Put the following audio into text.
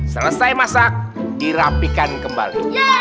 selesai masak dirapikan kembali